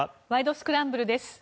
スクランブル」です。